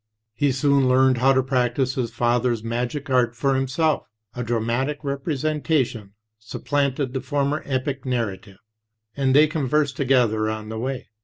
He soon learned how to practice his father's magic art for himself. A dramatic representation supplanted the former epic narrative; for they conversed together on the way.